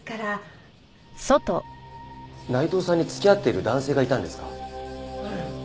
内藤さんに付き合っている男性がいたんですか？